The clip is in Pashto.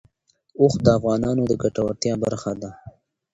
اوښ د افغانانو د ګټورتیا برخه ده.